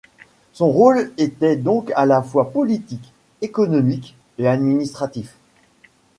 Son rôle était donc à la fois politique, économique et administratif.